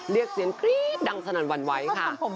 เรียกเสียงกรี๊ดดังสนั่นหวั่นไหวค่ะ